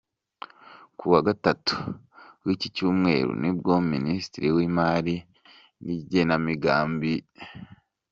Kuwa Gatatu w’iki Cyumweru nibwo Minisitiri w’Imari n’Igenamigambi, Amb.